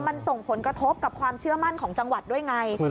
มันส่งผลกระทบกับความเชื่อมั่นของจังหวัดด้วยไง